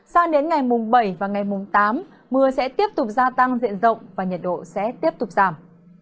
sang đến ngày mùng bảy và ngày mùng tám mưa sẽ tiếp tục gia tăng diện rộng và nhiệt độ sẽ tiếp tục giảm